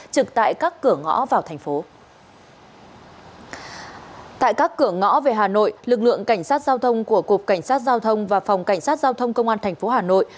tại các cửa ngõ về hà nội lực lượng cảnh sát giao thông của cục cảnh sát giao thông và phòng cảnh sát giao thông công an tp hà nội